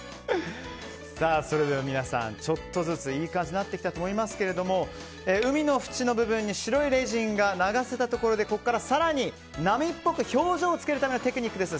皆さん、ちょっとずついい感じになってきたと思いますが海の縁の部分に白いレジンが流せたところでここから更に波っぽく表情をつけるためのテクニックです。